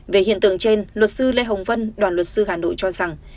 về hiện tượng trên luật sư lê hồng vân đoàn luật sư hà nội cho rằng